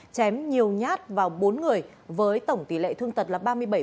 chém nhiều nhát vào bốn người với tổng tỷ lệ thương tật là ba mươi bảy